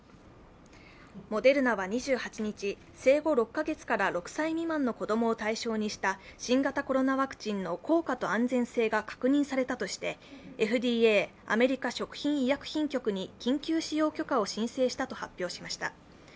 モデルナは２８日、生後６カ月から６歳未満の子供を対象にした新型コロナワクチンの効果と安全性が確認されたとしてＦＤＡ＝アメリカ食品医薬品局に緊急使用許可を申請したと発表しました。